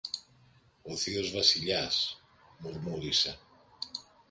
Ο θείος Βασιλιάς, μουρμούρισε.